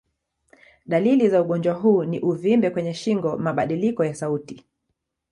Dalili za ugonjwa huu ni uvimbe kwenye shingo, mabadiliko ya sauti.